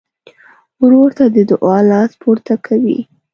ورور ته د دعا لاس پورته کوي.